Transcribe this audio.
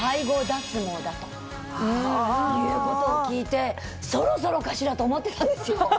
だということを聞いてそろそろかしらと思ってたんですよ。